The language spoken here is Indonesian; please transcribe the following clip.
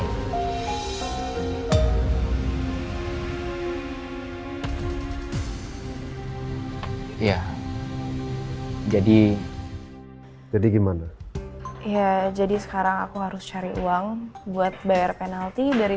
iya jadi jadi gimana ya jadi sekarang aku harus cari uang buat bayar penalti dari